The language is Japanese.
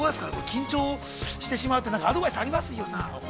緊張してしまうってアドバイス、ありますか。